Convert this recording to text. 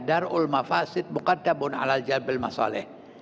darul mafasid bukadabun alajabil masoleh